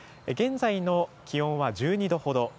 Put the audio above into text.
現在の気温は１２度ほど。